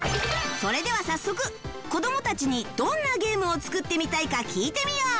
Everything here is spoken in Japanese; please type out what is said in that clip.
それでは早速子どもたちにどんなゲームを作ってみたいか聞いてみよう！